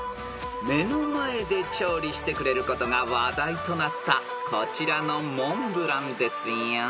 ［目の前で調理してくれることが話題となったこちらのモンブランですよ］